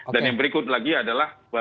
dan yang berikut lagi adalah